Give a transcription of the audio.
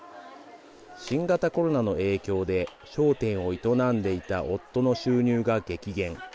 新型コロナの影響で商店を営んでいた夫の収入が激減。